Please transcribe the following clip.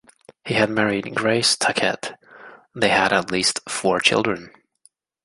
He had married Grace Tuckett; they had at least four children.